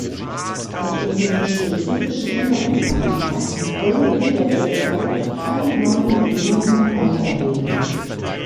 Mit unserem spezifischen Änderungsantrag wollen wir der Türkei keine neuen Bedingungen auferlegen.